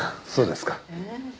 そうですか。